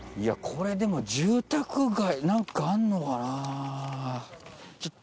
これでも住宅街何かあんのかな？